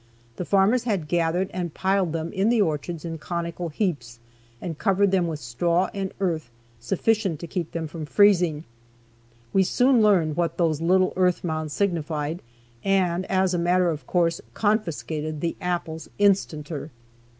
The farmers had gathered and piled them in the orchards in conical heaps and covered them with straw and earth sufficient to keep them from freezing. We soon learned what those little earth mounds signified, and, as a matter of course, confiscated the apples instanter.